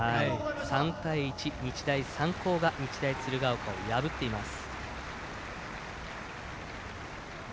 ３対１、日大三高が日大鶴ヶ丘を破っています。